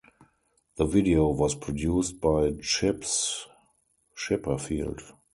The video was produced by Chips Chipperfield.